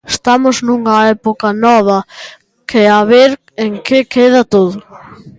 Estamos nunha época nova que a ver en que queda todo.